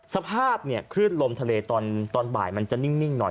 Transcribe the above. สภาพเนี่ยคลื่นลมทะเลตอนบ่ายมันจะนิ่งหน่อย